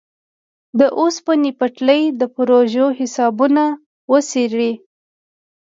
د اوسپنې پټلۍ د پروژو حسابونه وڅېړي.